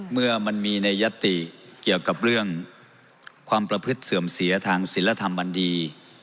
เมื่อมันมีในยติเกี่ยวกับเรื่องความประพฤติเสื่อมเสียทางศิลธรรมอันดี